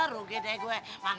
rugi deh gue